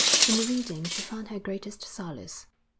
In reading she found her greatest solace.